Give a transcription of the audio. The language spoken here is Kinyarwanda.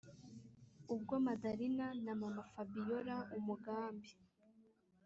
ubwo madalina na mama-fabiora umugambi